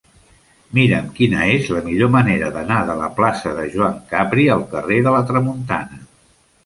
Mira'm quina és la millor manera d'anar de la plaça de Joan Capri al carrer de la Tramuntana.